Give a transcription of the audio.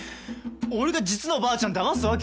俺が実のばあちゃんだますわけが。